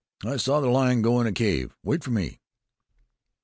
I saw the lion go in a cave. Wait for me!"